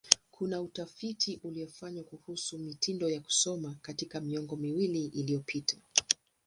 Kuna utafiti uliofanywa kuhusu mitindo ya kusoma katika miongo miwili iliyopita.